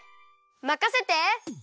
まかせて！